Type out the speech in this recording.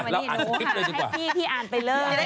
เราอ่านสกริปเลยดีกว่า